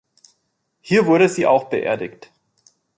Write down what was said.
Hier wurde sie auch beerdigt.